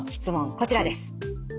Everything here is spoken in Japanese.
こちらです。